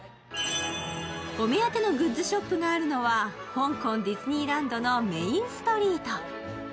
お目当てのグッズショップがあるのは香港ディズニーランドのメインストリート。